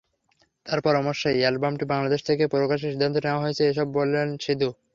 তাঁর পরামর্শেই অ্যালবামটি বাংলাদেশ থেকেও প্রকাশের সিদ্ধান্ত নেওয়া হয়েছে, এসব বললেন সিধু।